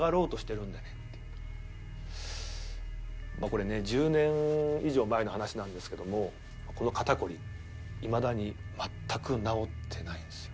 これね１０年以上前の話なんですけどもこの肩こりいまだに全く治ってないんですよ。